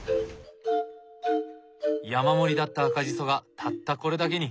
山盛りだった赤じそがたったこれだけに。